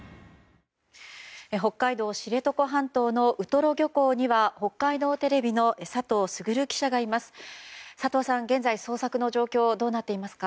北海道知床半島のウトロ漁港には北海道テレビの佐藤俊記者がいます。